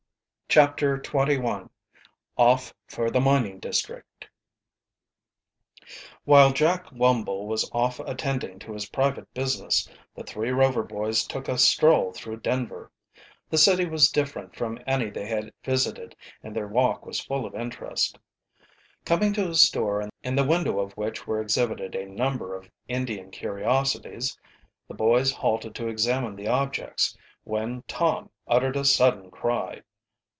CHAPTER XXI OFF FOR THE MINING DISTRICT While Jack Wumble was off attending to his private business the three Rover boys took a stroll through Denver. The city was different from any they had visited, and their walk was full of interest. Coming to a store in the window of which were exhibited a number of Indian curiosities, the boys halted to examine the objects, when Tom uttered a sudden cry.